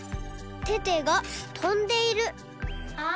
テテがとんでいる。